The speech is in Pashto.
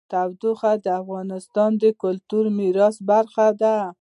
تودوخه د افغانستان د کلتوري میراث برخه ده.